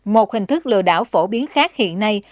một hình thức lừa đảo phổ biến khác hiện nay